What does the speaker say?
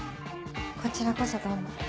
こちらこそどうも。